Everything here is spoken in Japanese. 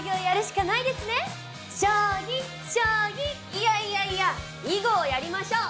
いやいやいや囲碁をやりましょう！